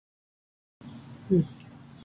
The main attraction is a large gorilla exhibit.